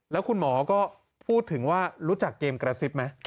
แล้วคุณหมอก็พูดถึงว่ารู้จักเกมกระซิบไหม